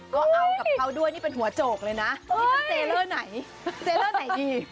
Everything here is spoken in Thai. ก็เอากับเขาด้วยนี่เป็นหัวโจกเลยน่ะนี่เป็นไหนไหนดี